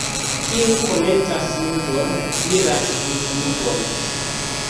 Kiu komencas juĝon, iras sub jugon.